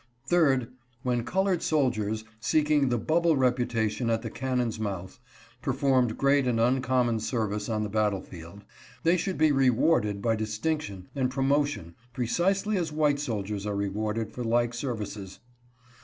Third, when colored soldiers, seeking "the bubble reputation at the cannon's mouth," performed great and uncommon service on the battle field, they should be rewarded by distinction and promotion precisely as white soldiers are rewarded for like services.